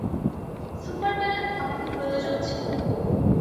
সুপারম্যানের আমাকে প্রয়োজন ছিল।